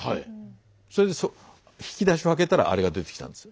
それで引き出しを開けたらあれが出てきたんですよ。